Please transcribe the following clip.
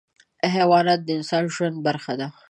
حیوانات د انسان د ژوند برخه دي.